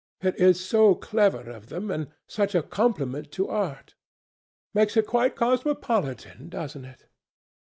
It is so clever of them, and such a compliment to art. Makes it quite cosmopolitan, doesn't it?